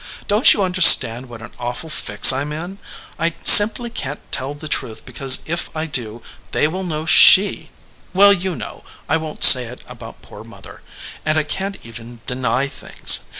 Don t you understand what an awful fix I m in? I simply can t tell the truth because if I do they will know she well, you know. I won t say it about poor mother. And I can t even deny things.